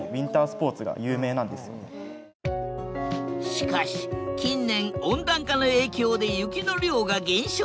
しかし近年温暖化の影響で雪の量が減少。